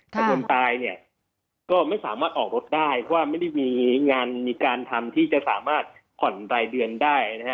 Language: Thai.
แต่คนตายเนี่ยก็ไม่สามารถออกรถได้เพราะว่าไม่ได้มีงานมีการทำที่จะสามารถผ่อนรายเดือนได้นะฮะ